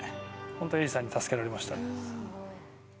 本当に永嗣さんに助けられましたね。